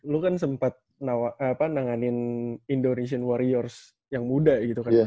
lu kan sempat nanganin indonesian warriors yang muda gitu kan